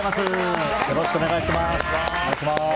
よろしくお願いします。